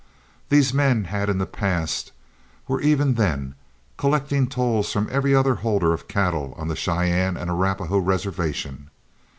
These men had in the past, were even then, collecting toll from every other holder of cattle on the Cheyenne and Arapahoe reservation.